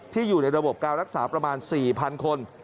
อยู่ในระบบการรักษาประมาณ๔๐๐คน